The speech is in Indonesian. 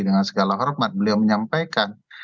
dengan segala hormat beliau menyampaikan